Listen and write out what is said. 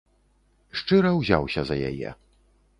Шчыра ўзяўся за яе.